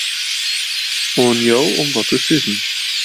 Oan jo om wat te sizzen.